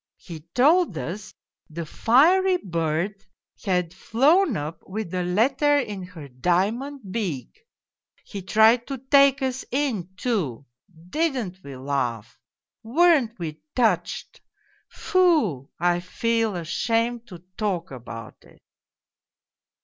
He told us the fiery bird had flown up with a letter in her diamond beak ! He tried to take us in, too didn't we laugh ? weren't we touched ? Foo 1 I feel ashamed to talk about it.